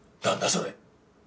それ。